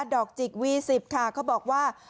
อกจิกวี๑๐ค่ะเขาบอกว่า